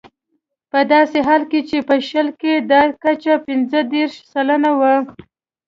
په داسې حال کې چې په شل کې دا کچه پنځه دېرش سلنه وه.